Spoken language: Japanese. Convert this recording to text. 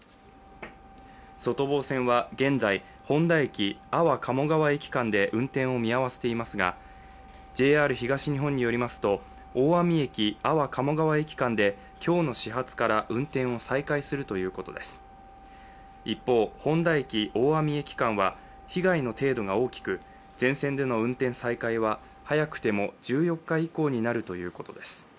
外房線は現在、誉田駅ー安房鴨川駅間で運転を見合わせていますがＪＲ東日本によりますと、大網−安房鴨川駅間で今日の始発から運転を再開するということです一方、誉田−大網駅間は、被害の程度が大きく、全線での運転再開は早くても１４日以降になるということです。